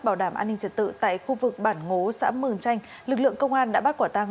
bảo đảm an ninh trật tự tại khu vực bản ngố xã mường chanh lực lượng công an đã bắt quả tăng